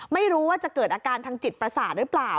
ไม่รู้ว่าจะเกิดอาการทางจิตประสาทหรือเปล่า